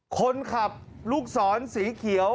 คนขับลูกศรสีเขียว